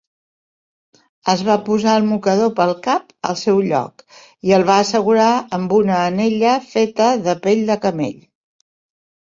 Es va posar el mocador pel cap al seu lloc i el va assegurar amb una anella feta de pell de camell.